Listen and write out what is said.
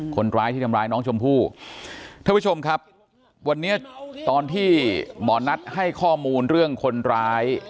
คนร้ายที่ทำร้ายน้องชมพู่ท่านผู้ชมครับวันนี้ตอนที่หมอนัทให้ข้อมูลเรื่องคนร้าย